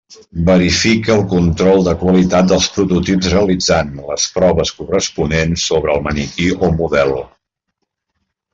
Verifica el control de qualitat dels prototips realitzant les proves corresponents sobre el maniquí o model.